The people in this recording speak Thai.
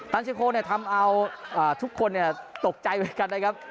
ตันเชคโครเนี่ยทำเอาทุกคนเนี่ยตกใจไว้กันนะครับ